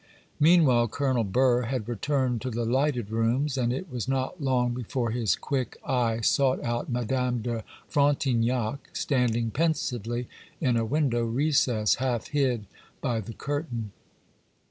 Meanwhile Colonel Burr had returned to the lighted rooms; and it was not long before his quick eye sought out Madame de Frontignac, standing pensively in a window recess, half hid by the curtain.